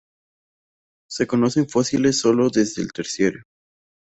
Se conocen fósiles sólo desde el Terciario.